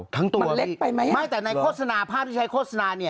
มันเล็กไปมั้ยฮะไม่แต่ในภาพที่ใช้โฆษณาเนี่ย